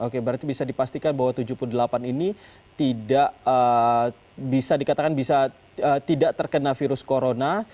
oke berarti bisa dipastikan bahwa tujuh puluh delapan ini tidak bisa dikatakan bisa tidak terkena virus corona